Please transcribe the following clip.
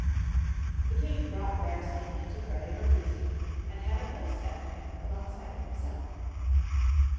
The king brought Bearskin into where they were feasting, and had a place set for him alongside of himself.